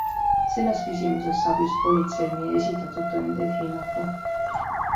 Selles küsimuses saab just politsei meie esitatud tõendeid hinnata.